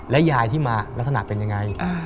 ยายที่มาลักษณะเป็นยังไง